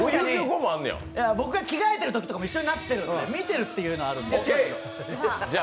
僕が着替えてるときも一緒になってるから見てるってのもあるんで。